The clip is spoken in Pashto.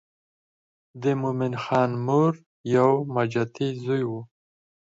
د مومن خان مور یو ماجتي زوی و.